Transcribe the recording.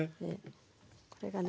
これがね